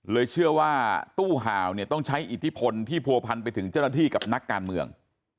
เชื่อว่าตู้ห่าวเนี่ยต้องใช้อิทธิพลที่ผัวพันไปถึงเจ้าหน้าที่กับนักการเมือง